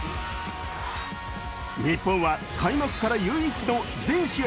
日本は開幕から唯一の全試合